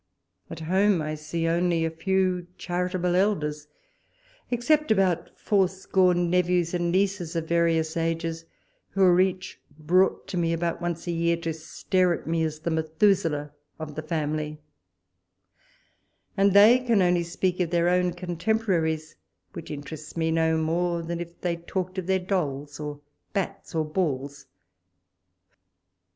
At home I see only a few charitable elders except about fourscore nephews and neices of various ages, who are each brought to me about once a year, to stare at me as the Metliusaleh of the family, and they can only speak of their own contemporaries, which in terest me no more than if they talked of their dolls or bats or balls.